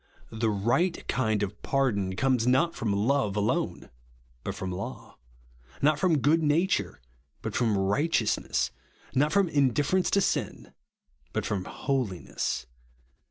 The right kind of pardon comes not from love alone, but from laiu ; not from good nature, but from righteousness; not from indifference to sin, but from holiness.